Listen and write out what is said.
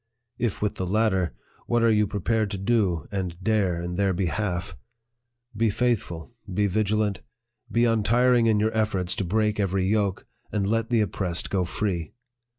If with the latter, what are you pre pared to do and dare in their behalf? Be faithful, be vigilant, be untiring in your efforts to break every yoke, and let the oppressed go free.